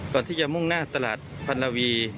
ก่อนที่จะมวงหน้าตลาดภัณฑ์ลาวี